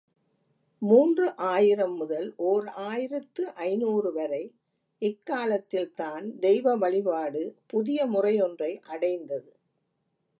மூன்று ஆயிரம் முதல் ஓர் ஆயிரத்து ஐநூறு வரை இக்காலத்தில்தான் தெய்வ வழிபாடு புதிய முறையொன்றை அடைந்தது.